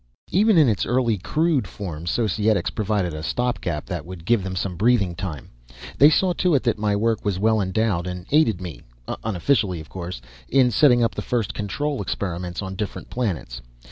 "Even in its early, crude form, Societics provided a stopgap that would give them some breathing time. They saw to it that my work was well endowed and aided me unofficially of course in setting up the first control experiments on different planets.